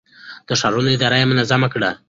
د ښارونو اداره يې منظم کړه.